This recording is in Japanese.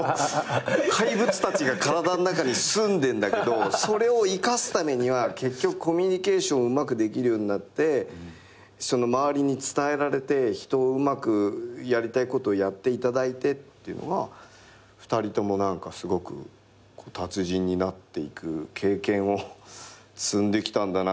怪物たちが体の中にすんでんだけどそれを生かすためには結局コミュニケーションをうまくできるようになって周りに伝えられて人をうまくやりたいことやっていただいてってのは２人とも何かすごく達人になっていく経験を積んできたんだなっていうのは。